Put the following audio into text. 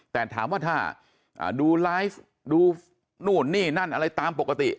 แต่ถามว่าถ้าดูไลฟ์ดูนู่นนี่นั่นอะไรตามปกติ